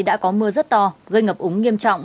đã có mưa rất to gây ngập úng nghiêm trọng